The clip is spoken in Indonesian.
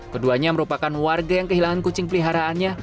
keduanya merupakan warga yang kehilangan kucing peliharaannya